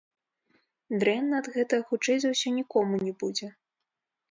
Дрэнна ад гэтага хутчэй за ўсё нікому не будзе.